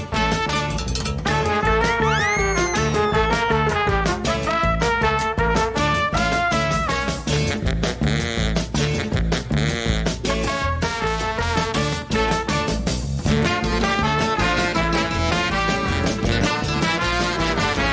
โปรดติดตามตอนต่อไป